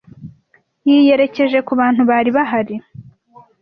Yiyerekeje kubantu bari bahari.